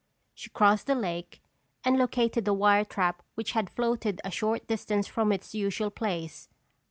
She crossed the lake and located the wire trap which had floated a short distance from its usual place.